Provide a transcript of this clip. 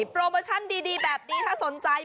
โปรโมชั่นดีแบบนี้ถ้าสนใจ